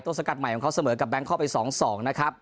ต้นสกัดใหม่ของเขาเสมอกับแบงค์คอกไปสองสองนะครับ